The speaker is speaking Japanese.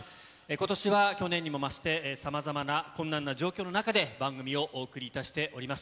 ことしは、去年にも増して、さまざまな困難な状況の中で、番組をお送りいたしております。